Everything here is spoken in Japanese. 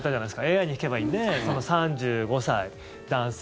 ＡＩに聞けばいいんで３５歳、男性